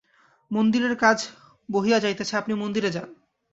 মন্দিরের কাজ বহিয়া যাইতেছে, আপনি মন্দিরে যান।